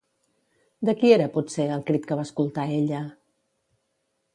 De qui era, potser, el crit que va escoltar ella?